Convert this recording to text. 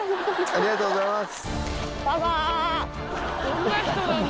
ありがとうございます。